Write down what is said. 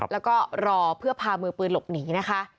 แล้วก็รอเพื่อพามือปืนหลบหนีนะคะ